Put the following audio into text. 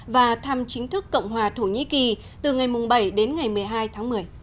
và thăm chính thức cộng hòa thổ nhĩ kỳ từ ngày bảy đến ngày một mươi hai tháng một mươi